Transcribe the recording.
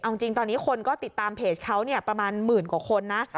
เอาจริงตอนนี้คนก็ติดตามเพจเขาประมาณหมื่นกว่าคนนะ